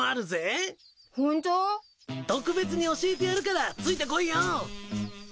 特別に教えてやるからついてこいよ。